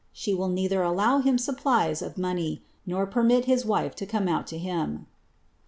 She will neither allow him supplies sy, nor permit his wife to come out to him."'